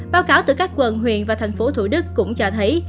báo cáo từ các quận huyện và thành phố thủ đức cũng cho thấy